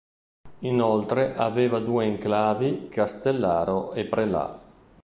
Inoltre aveva due enclavi Castellaro e Prelà.